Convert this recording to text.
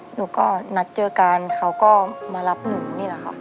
หนูก็นัดเจอกันเขาก็มารับหนูนี่แหละค่ะ